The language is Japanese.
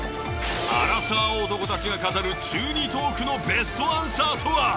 アラサー男たちが語る中２トークのベストアンサーとは？